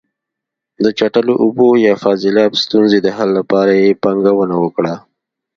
د چټلو اوبو یا فاضلاب ستونزې د حل لپاره یې پانګونه وکړه.